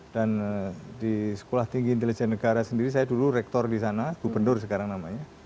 dan di sekolah tinggi intelijen negara sendiri saya dulu rektor di sana gubernur sekarang namanya